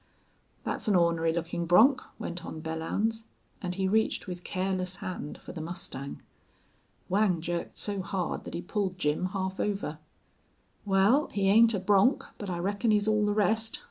"That's an ornery looking bronc," went on Belllounds, and he reached with careless hand for the mustang. Whang jerked so hard that he pulled Jim half over. "Wal, he ain't a bronc, but I reckon he's all the rest."